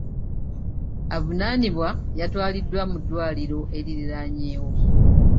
Avunaanibwa yatwaliddwa mu ddwaliro eririraanyeewo.